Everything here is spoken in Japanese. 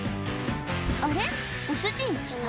あれ？